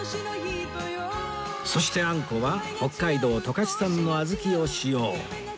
そしてあんこは北海道十勝産の小豆を使用